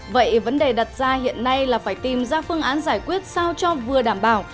vậy vấn đề đặt ra hiện nay là phải tìm ra phương án giải quyết sao cho vừa đảm bảo